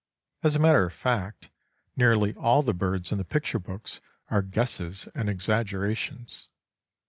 As a matter of fact, nearly all the birds in the picture books are guesses and exaggerations.